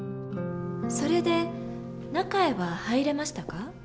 それで中へは入れましたか？